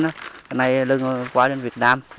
hôm nay lưu qua đến việt nam